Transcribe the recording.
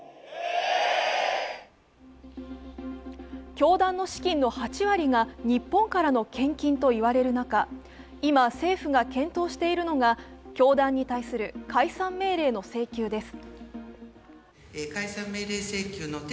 教団の資金の８割が日本からの献金といわれる中、今政府が検討しているのが教団に対する解散命令の請求です。